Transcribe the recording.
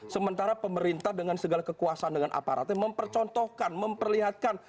sementara pemerintah dengan segala kekuasaan dengan aparatnya mempercontohkan memperlihatkan